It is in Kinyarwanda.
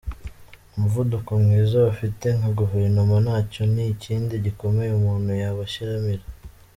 Umuvuduko mwiza bafite nka Guverinoma nacyo ni ikindi gikomeye umuntu yabashimira!